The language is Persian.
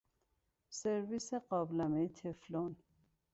سرویس قابلمه تفلون